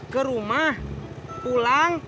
ke rumah pulang